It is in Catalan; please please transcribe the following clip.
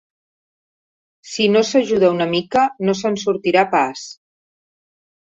Si no s'ajuda una mica, no se'n sortirà pas.